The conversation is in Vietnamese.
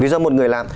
vì do một người làm